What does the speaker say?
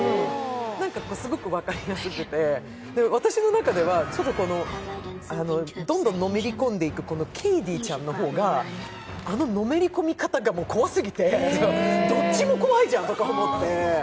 すごく分かりやすくて私の中ではどんどんのめり込んでいくケイディちゃんの方が、あののめり込み方が怖すぎてどっちも怖いじゃんとか思って。